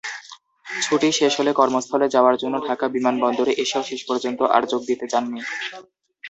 ছুটি শেষ হলে কর্মস্থলে যাওয়ার জন্য ঢাকা বিমানবন্দরে এসেও শেষ পর্যন্ত আর যোগ দিতে যাননি।